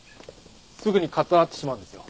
すぐにカッとなってしまうんですよ。